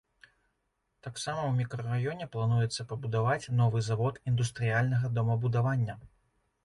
Таксама ў мікрараёне плануецца пабудаваць новы завод індустрыяльнага домабудавання.